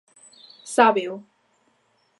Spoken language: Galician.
Sábeo.